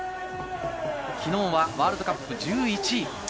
昨日はワールドカップ１１位。